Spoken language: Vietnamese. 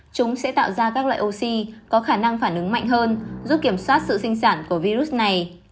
chúng sẽ tạo ra các loại oxy có khả năng phản ứng mạnh hơn giúp kiểm soát sự sinh sản của virus này